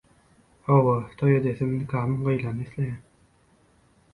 Hawa, toý edesim, nikamyň gyýylanyny isleýän.